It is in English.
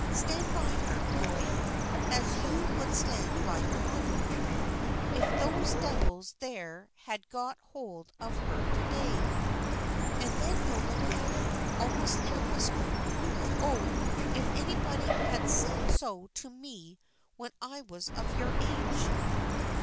Stand by her, boy, as you would stand by your mother, if those devils there had got hold of her to day!" And then Nolan added, almost in a whisper, "Oh, if anybody had said so to me when I was of your age!"